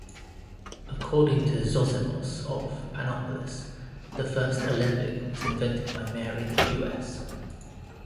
According to Zosimos of Panopolis, the first alembic was invented by Mary the Jewess.